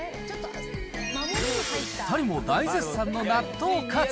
２人も大絶賛の納豆カツ。